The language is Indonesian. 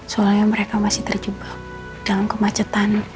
soalnya mereka masih terjebak dalam kemacetan